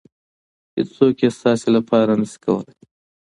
هېڅوک یې ستاسې لپاره نشي کولی.